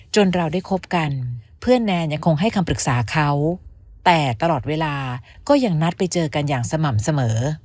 เราได้คบกันเพื่อนแนนยังคงให้คำปรึกษาเขาแต่ตลอดเวลาก็ยังนัดไปเจอกันอย่างสม่ำเสมอ